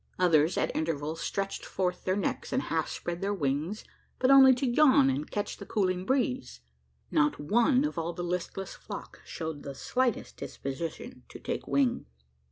Others at intervals stretched forth their necks, and half spread their wings; but only to yawn and catch the cooling breeze. Not one of all the listless flock, showed the slightest disposition to take wing.